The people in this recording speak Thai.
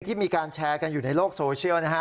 ที่มีการแชร์กันอยู่ในโลกโซเชียลนะฮะ